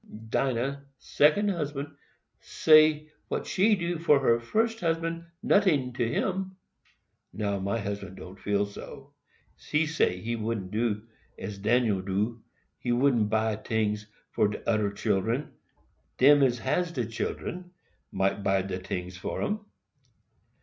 "Dinah's (second) husband say what she do for her first husband noting to him;—now, my husband don't feel so. He say he wouldn't do as Daniel do—he wouldn't buy tings for de oder children—dem as has de children might buy de tings for dem.